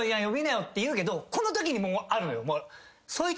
呼びなよって言うけどこのときにもうあるのよ。